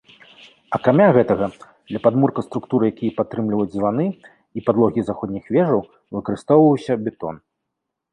Акрамя гэтага, для падмурка структур, якія падтрымліваюць званы, і падлогі заходніх вежаў выкарыстоўваўся бетон.